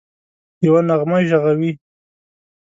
یوه نغمه ږغوي